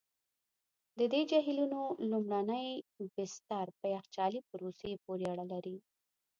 د دې جهیلونو لومړني بستر په یخچالي پروسې پوري اړه لري.